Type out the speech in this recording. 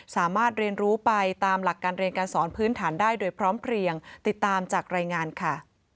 สามารถเรียนรู้ไปตามหลักการเรียนการสอนพื้นฐานได้โดยพร้อมเพลียงติดตามจากรายงานค่ะ